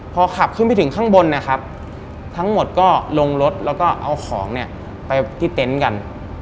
พอขับขึ้นไปถึงข้างบนนะครับทั้งหมดก็ลงรถแล้วก็เอาของเนี่ยไปที่เต็นต์กัน